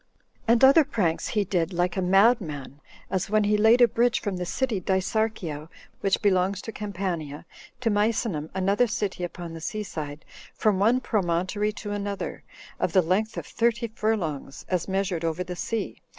And other pranks he did like a madman; as when he laid a bridge from the city Dicearchia, which belongs to Campania, to Misenum, another city upon the sea side, from one promontory to another, of the length of thirty furlongs, as measured over the sea.